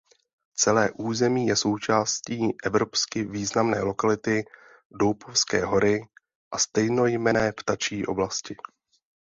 Celé území je součástí evropsky významné lokality Doupovské hory a stejnojmenné ptačí oblasti.